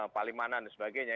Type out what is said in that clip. palimanan dan sebagainya